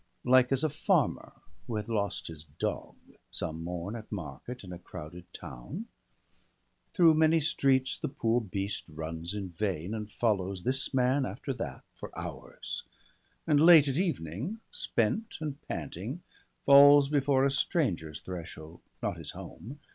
Like as a farmer, who hath lost his dog. Some morn, at market, in a crowded town — Through many streets the poor beast runs in vain, And follows this man after that, for hours; And, late at evening, spent and panting, falls Before a stranger's threshold, not his home.